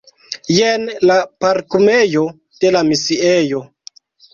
Jen la parkumejo de la misiejo.